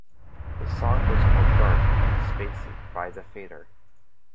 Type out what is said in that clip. The song was called "dark" and "spacey" by "The Fader".